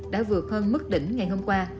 đã vượt hơn mức đỉnh ngày hôm qua